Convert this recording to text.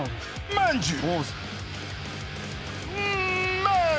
まんじゅう。